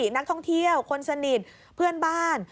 นักท่องเที่ยวคนสนิทเพื่อนบ้าน